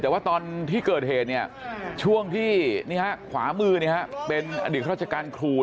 แต่ว่าตอนที่เกิดเหตุช่วงที่ขวามือเป็นอดีตราชการครู